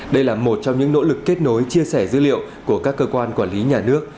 đây là một trong những nỗ lực kết nối chia sẻ dữ liệu của các cơ quan quản lý nhà nước